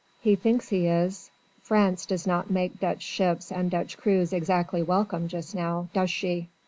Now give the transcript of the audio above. "He thinks he is. France does not make Dutch ships and Dutch crews exactly welcome just now, does she?"